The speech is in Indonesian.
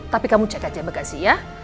tapi kamu cek aja bekasi ya